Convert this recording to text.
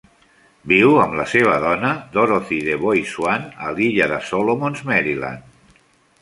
Viu amb la seva dona, Dorothy DeBoy Swann, a l'illa de Solomons, Maryland.